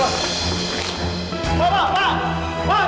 pak jangan kabur pak